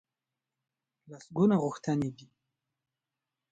لسګونه غوښتنې دي.